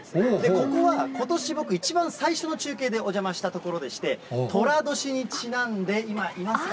ここはことし、僕、一番最初の中継でお邪魔した所でして、とら年にちなんで、今、いますか？